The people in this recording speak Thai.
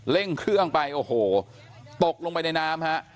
เร่งเครื่องไปโอ้โหตกลงไปในน้ำฮะ